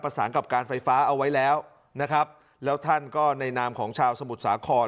กับการไฟฟ้าเอาไว้แล้วนะครับแล้วท่านก็ในนามของชาวสมุทรสาคร